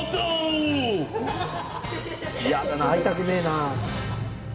やだな会いたくねえな。